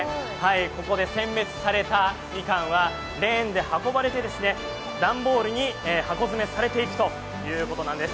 ここで選別されたみかんはレーンで運ばれて段ボールに箱詰めされていくというわけなんです。